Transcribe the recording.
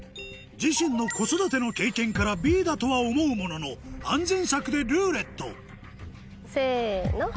自身の子育ての経験からＢだとは思うものの安全策で「ルーレット」せの。